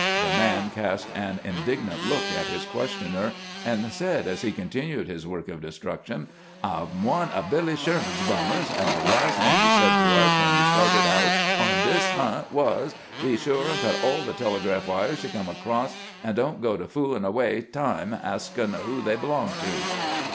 The man cast an indignant look at his questioner, and said, as he continued his work of de struction :' I 'm one o' BiUy Sherman's bummers ; and the last thing he said to us when we started out on this hunt was :" Be sure and cut aU the telegraph wires you come across, and don't go to foolin' away time askin' who they belong to."